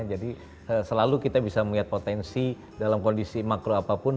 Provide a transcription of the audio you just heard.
jadi selalu kita bisa melihat potensi dalam kondisi makro apapun